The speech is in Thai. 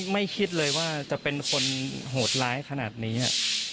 ไม่คิดเลยว่าจะเป็นคนโหดร้ายขนาดนี้